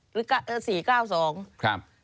หรือ๔๙๒ครับ